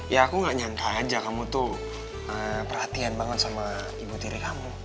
ya aku gak nyangka aja kamu tuh perhatian banget sama ibu tiri kamu